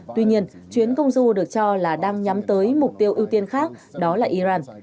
tuy nhiên chuyến công du được cho là đang nhắm tới mục tiêu ưu tiên khác đó là iran